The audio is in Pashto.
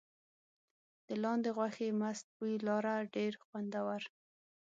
د لاندي غوښې مست بوی لاره ډېر خوندور.